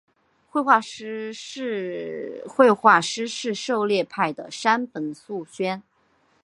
绘画师事狩野派的山本素轩。